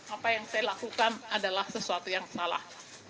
apa yang saya lakukan adalah sesuatu yang salah